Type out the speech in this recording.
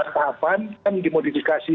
delapan tahapan dimodifikasi